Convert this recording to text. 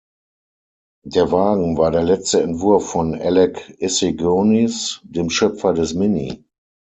Der Wagen war der letzte Entwurf von Alec Issigonis, dem Schöpfer des Mini.